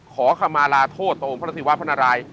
ขอคำมาลาโทษต่อองค์พระศิวะพระนาราย